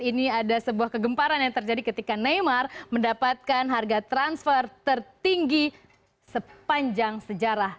ini ada sebuah kegemparan yang terjadi ketika neymar mendapatkan harga transfer tertinggi sepanjang sejarah